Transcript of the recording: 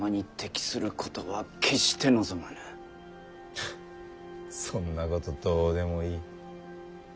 フッそんなことどうでもいい。